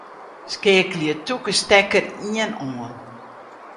Skeakelje tûke stekker ien oan.